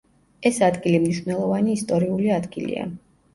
ეს ადგილი მნიშვნელოვანი ისტორიული ადგილია.